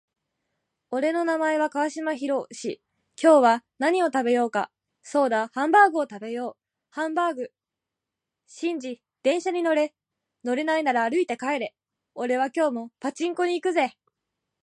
俺の名前は川島寛。今日は何を食べようか。そうだハンバーグを食べよう。ハンバーグ。シンジ、電車に乗れ。乗らないなら歩いて帰れ。俺は今日もパチンコに行くぜ。